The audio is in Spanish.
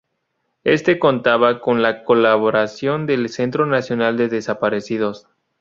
Este contaba con la colaboración del Centro Nacional de Desaparecidos.